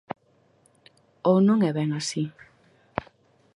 ¿Ou non é ben así?